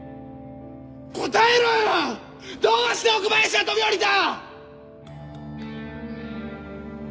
答えろよ‼どうして奥林は飛び降りた？